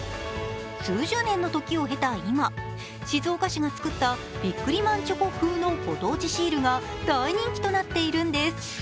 数十年の時を経た今、静岡市が作ったビックリマンチョコ風のご当地シールが大人気となっているんです。